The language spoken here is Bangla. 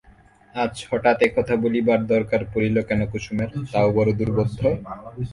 আজ হঠাৎ একথা বলিবার দরকার পড়িল কেন কুসুমের, তাও বড় দুর্বোধ্য।